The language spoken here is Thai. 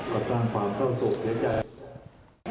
ก็ต้องความสร้างสุขเสียใจ